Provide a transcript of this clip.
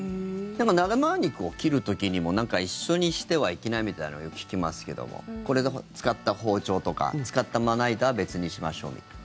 生肉を切る時にも一緒にしてはいけないみたいなのよく聞きますけどもこれ、使った包丁とか使ったまな板は別にしましょうみたいな。